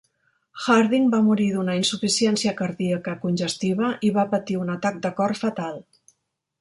Harding va morir d'una insuficiència cardíaca congestiva i va patir un atac de cor fatal.